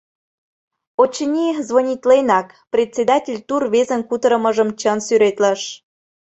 Очыни, звонитленак, председатель ту рвезын кутырымыжым чын сӱретлыш.»